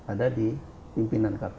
ada di pimpinan kpk